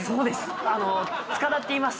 あの塚田っていいます。